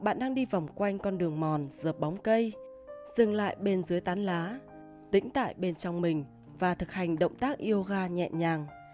bạn đang đi vòng quanh con đường mòn dợp bóng cây dừng lại bên dưới tán lá tĩnh tại bên trong mình và thực hành động tác yoga nhẹ nhàng